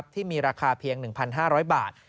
ที่มีราคาเพียง๑๕๐๐บาท